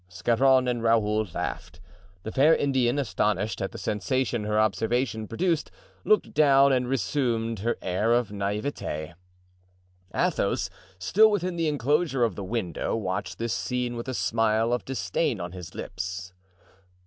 Scarron and Raoul laughed. The fair Indian, astonished at the sensation her observation produced, looked down and resumed her air of naivete. Athos, still within the inclosure of the window, watched this scene with a smile of disdain on his lips.